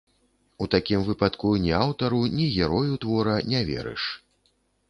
У такім выпадку ні аўтару, ні герою твора не верыш.